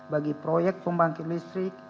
bagi proyek pembangkit listrik